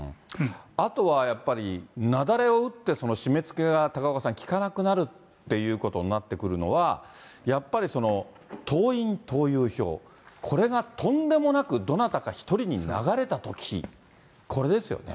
あとはやっぱり雪崩を打って、その締めつけが、高岡さん、効かなくなるっていうことになってくるのは、やっぱりその、党員・党友票、これがとんでもなくどなたか１人に流れたとき、これですよね。